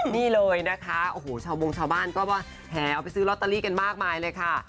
นี่เลยนะคะโอ้โหชาวบงชาวบ้านก็มาแห่เอาไปซื้อลอตเตอรี่กันมากมายเลยค่ะ